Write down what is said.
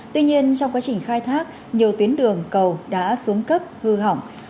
tuy nhiên trong quá trình khai thác nhiều tuyến đường cầu đã xuống cấp hư hỏng